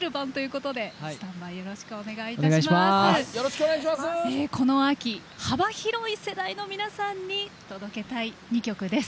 この秋、幅広い世代の皆さんに届けたい２曲です。